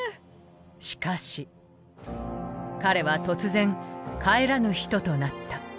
しかし彼は突然帰らぬ人となった。